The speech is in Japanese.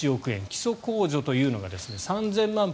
基礎控除というのが３０００万円